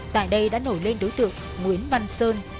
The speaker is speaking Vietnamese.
tại đây đã nổi lên đối tượng nguyễn văn sơn